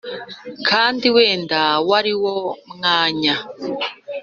kandi wenda wariwo mwanya